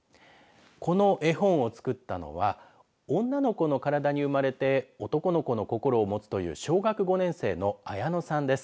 この絵本を作ったのは女の子の体に生まれて男の子の心を持つという小学５年生のあやのさんです。